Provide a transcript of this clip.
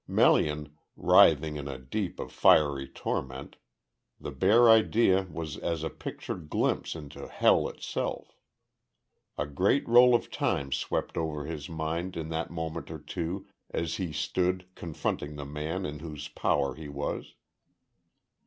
Melian writhing in a death of fiery torment the bare idea was as a pictured glimpse into hell itself. A great roll of time swept over his mind in that moment or two, as he stood, confronting the man in whose power he was.